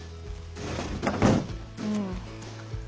うん。